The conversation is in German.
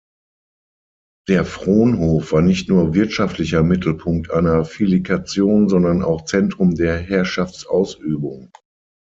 Der Fronhof war nicht nur wirtschaftlicher Mittelpunkt einer Villikation, sondern auch Zentrum der Herrschaftsausübung.